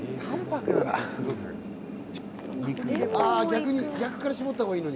逆から絞ったほうがいいのに。